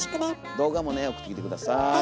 動画もね送ってきて下さい。